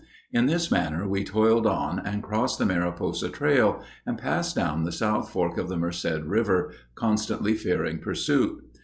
In this manner we toiled on and crossed the Mariposa Trail, and passed down the south fork of the Merced River, constantly fearing pursuit.